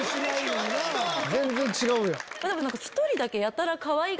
全然違うやん。